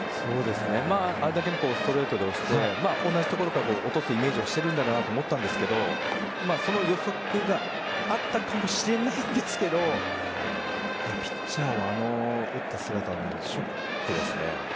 結構ストレートで押して同じところから落とすイメージをしてるんだなと思ったんですけどその印象があったかもしれないですけどピッチャーはあの打った姿でショックですね。